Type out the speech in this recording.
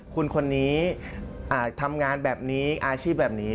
คุณคนนี้ทำงานแบบนี้อาชีพแบบนี้